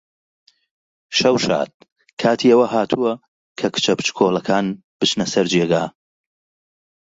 شەو شاد! کاتی ئەوە هاتووە کە کچە بچکۆڵەکەکان بچنە سەر جێگا.